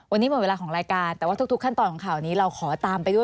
วันนี้หมดเวลาของรายการแต่ว่าทุกขั้นตอนของข่าวนี้เราขอตามไปด้วย